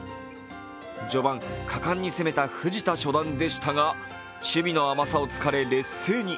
序盤、果敢に攻めた藤田初段でしたが守備の甘さを突かれ、劣勢に。